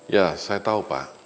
ya saya tahu pak